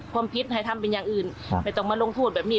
ความผิดให้ทำเป็นอย่างอื่นไม่ต้องมาลงโทษแบบนี้